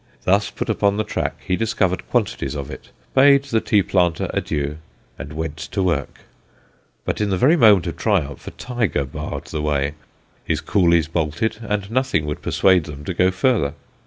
Thus put upon the track, he discovered quantities of it, bade the tea planter adieu, and went to work; but in the very moment of triumph a tiger barred the way, his coolies bolted, and nothing would persuade them to go further.